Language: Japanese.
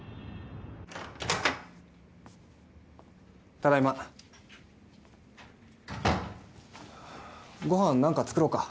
ただいまごはん何か作ろうか？